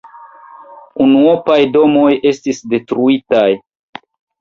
Unuopaj domoj estis detruitaj.